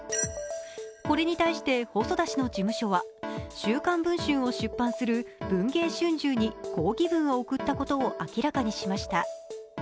これに対して、細田氏の事務所は、「週刊文春」を出版する文藝春秋に抗議文を送ったことを明らかにしました。